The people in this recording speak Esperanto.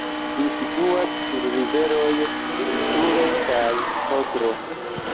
Ĝi situas sur riveroj Vistulo kaj Odro.